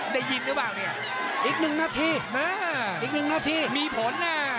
ได้ยินหรือเปล่าเนี่ยอีกหนึ่งนาทีอีกหนึ่งนาทีมีผลนะ